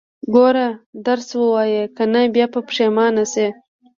ګوره، درس ووايه، که نه بيا به پښيمانه شې.